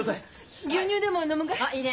牛乳でも飲むがい？